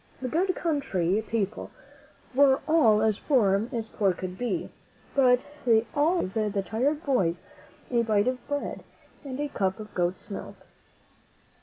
The good country people were all as poor as poor could be; but they always gave the tired boys a bite of bread and a cup of goat's milk.